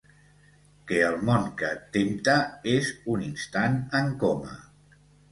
Que el món que et tempta és un instant en coma.